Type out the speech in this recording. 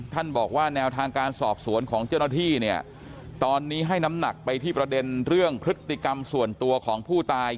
บอกว่าแนวทางการสอบสวนของเจ้าหน้าที่เนี่ยตอนนี้ให้น้ำหนักไปที่ประเด็นเรื่องพฤติกรรมส่วนตัวของผู้ตาย